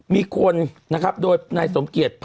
มีคนโดยประกอบสมเกียจ